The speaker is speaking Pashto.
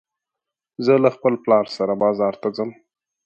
زه له خپل پلار سره بازار ته ځم